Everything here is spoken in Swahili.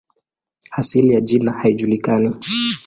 Asili ya jina haijulikani.